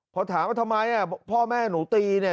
พอถามว่าทำไมพ่อแม่หนูตีเนี่ย